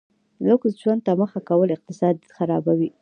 لوکس ژوند ته مخه کول اقتصاد خرابوي.